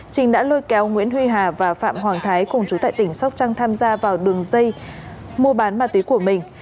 trinh đã lôi kéo nguyễn huy hà và phạm hoàng thái cùng chú tại tỉnh sóc trăng tham gia vào đường dây mua bán ma túy của mình